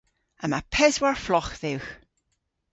Yma peswar flogh dhywgh.